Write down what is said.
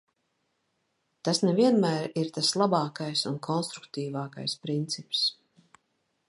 Tas ne vienmēr ir tas labākais un konstruktīvākais princips.